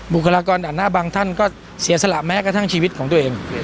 คลากรด่านหน้าบางท่านก็เสียสละแม้กระทั่งชีวิตของตัวเอง